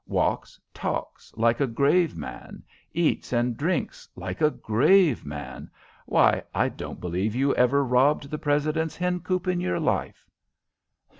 Walks, talks like a grave man. Eats and drinks like a grave man. Why, I don't believe you ever robbed the president's hen coop in your life!"